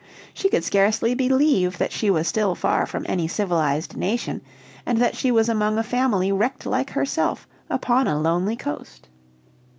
She could scarcely believe that she was still far from any civilized nation, and that she was among a family wrecked like herself upon a lonely coast.